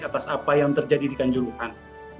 atas apa yang terjadi di kanjuruhan